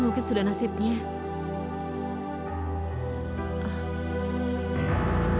mungkin kemudian sudah berhasil